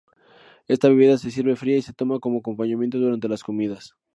Esta bebida se sirve fría y se toma como acompañamiento durante las comidas.